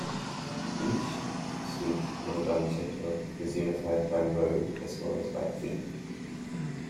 Each suite in the "Banchetto" is unified by mode as well as by theme.